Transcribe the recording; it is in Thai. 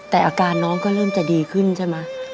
แต่อาการน้องก็เริ่มจะดีขึ้นใช่ไหม